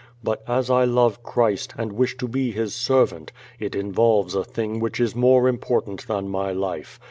But, as I love Christ, and wish to be His servant, it involves a thing which is more important than my life.